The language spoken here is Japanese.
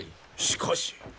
しかし。